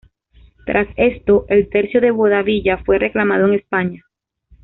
Tras esto, el Tercio de Bobadilla fue reclamado en España.